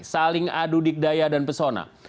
saling adu dikdaya dan pesona